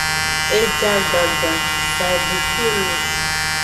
E ja gbagba, sa e bu kpi nung.